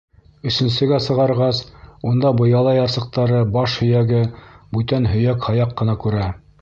Өсөнсөгә сығарғас, унда быяла ярсыҡтары, баш һөйәге, бүтән һөйәк-һаяҡ ҡына күрә.